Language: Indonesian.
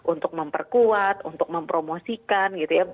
untuk memperkuat untuk mempromosikan gitu ya